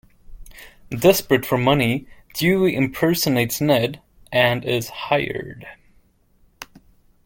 Desperate for money, Dewey impersonates Ned and is hired.